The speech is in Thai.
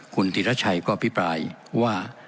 คุณธิรชัยก็อภิปรายว่า